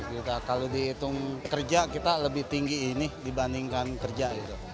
juga kalau dihitung kerja kita lebih tinggi ini dibandingkan kerja